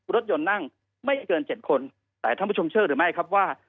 รถยนต์นั่งไม่เกินเจ็ดคนแต่ท่านผู้ชมเชื่อหรือไม่ครับว่า